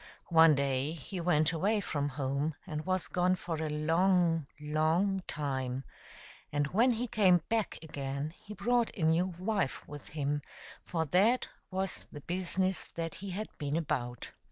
One day he went away from home and was gone for a long, long time, and when he came back again he brought a new wife with him, for that was the business that he had been about.